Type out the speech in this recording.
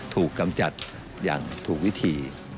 กำจัดอย่างถูกวิธี